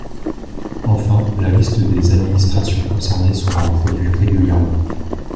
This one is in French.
Enfin, la liste des administrations concernées sera revue régulièrement.